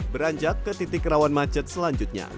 beranjak ke titik rawan macet selanjutnya